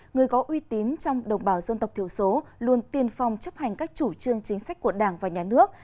người có uy tín trong đồng bào dân tộc thiểu số luôn tiên phong chấp hành các chủ trương chính sách của đảng và nhà nước